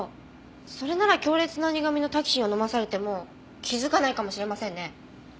それなら強烈な苦味のタキシンを飲まされても気づかないかもしれませんね。